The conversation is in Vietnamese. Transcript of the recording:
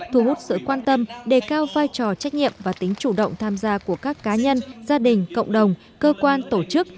thu hút sự quan tâm đề cao vai trò trách nhiệm và tính chủ động tham gia của các cá nhân gia đình cộng đồng cơ quan tổ chức